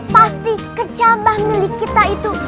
pasti kecabah milik kita itu